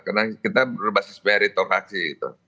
karena kita berbasis meritokraksi